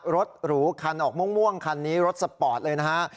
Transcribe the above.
หรูคันออกม่วงคันนี้รถสปอร์ตเลยนะฮะ